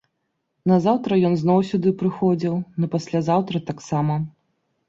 Назаўтра ён зноў сюды прыходзіў, напаслязаўтра таксама.